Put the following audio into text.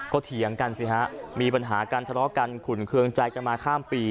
ก็เถียงกันสิฮะมีปัญหาการทะเลาะกันขุนเครื่องใจกันมาข้ามปี